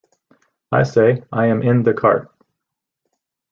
I say, I am in the cart.